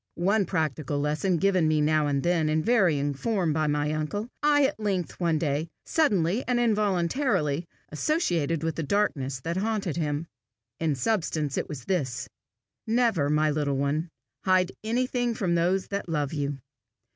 One practical lesson given me now and then in varying form by my uncle, I at length, one day, suddenly and involuntarily associated with the darkness that haunted him. In substance it was this: "Never, my little one, hide anything from those that love you.